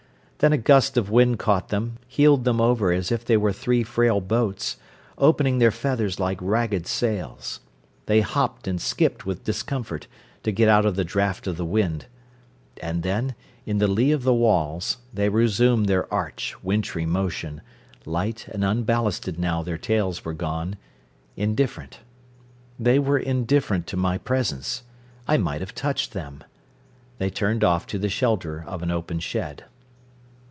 Then a gust of wind caught them, heeled them over as if they were three frail boats, opening their feathers like ragged sails. They hopped and skipped with discomfort, to get out of the draught of the wind. And then, in the lee of the walls, they resumed their arch, wintry motion, light and unballasted now their tails were gone, indifferent. They were indifferent to my presence. I might have touched them. They turned off to the shelter of an open shed.